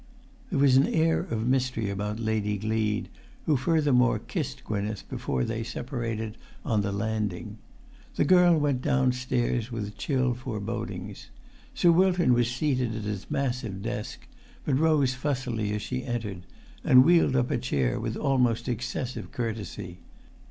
There was an air of mystery about Lady Gleed, who furthermore kissed Gwynneth before they separated on the landing. The girl went downstairs with chill forebodings. Sir Wilton was seated at his massive desk, but rose fussily as she entered, and wheeled up a chair with almost excessive courtesy.